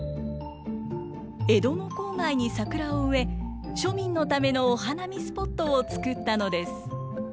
江戸の郊外に桜を植え庶民のためのお花見スポットを作ったのです。